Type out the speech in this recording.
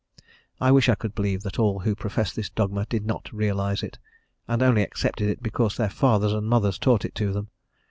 I wish I could believe that all who profess this dogma did not realize it, and only accepted it because their fathers and mothers taught it to them.